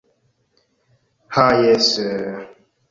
Ha jes...